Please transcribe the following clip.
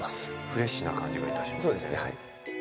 フレッシュな感じがいたしますね。